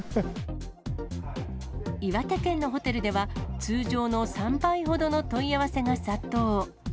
岩手県のホテルでは、通常の３倍ほどの問い合わせが殺到。